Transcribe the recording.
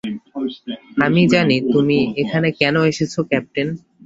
আমি জানি তুমি এখানে কেন এসেছ ক্যাপ্টেন।